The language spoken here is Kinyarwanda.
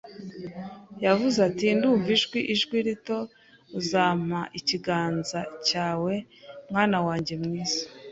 Yavuze ati: “Ndumva ijwi, ijwi rito. Uzampa ikiganza cyawe, mwana wanjye mwiza